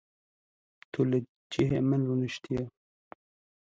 Tu li cihê min rûniştiye